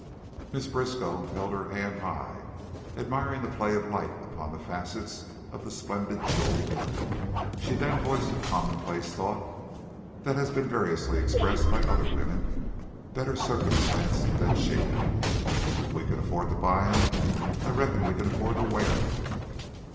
Miss Briskow held her hand high, admiring the play of light upon the facets of the splendid jewel, then she voiced a complacent thought that has been variously expressed by other women better circumstanced than she "If we can afford to buy 'em, I reckon we can afford to wear 'em."